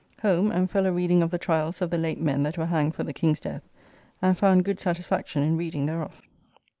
Home, and fell a reading of the tryalls of the late men that were hanged for the King's death, and found good satisfaction in reading thereof.